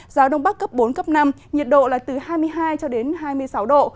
gió đông bắc cấp bốn năm nhiệt độ là từ hai mươi hai hai mươi sáu độ